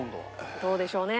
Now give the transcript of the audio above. どうでしょうね。